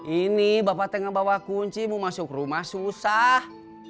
ini bapak tengah bawa kunci mau masuk rumah susah